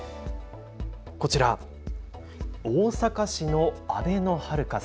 こちら大阪市のあべのハルカス。